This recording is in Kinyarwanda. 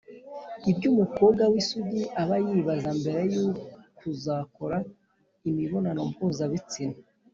Ibyo umukobwa w'isugi aba yibaza mbere yo kuzakora imibonano mpuzabitsina